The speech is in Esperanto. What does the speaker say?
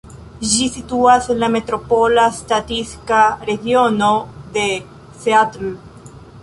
Ĝi situas en la metropola statistika regiono de Seatlo.